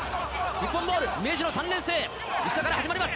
日本ボール、明治の３年生、石田から始まります。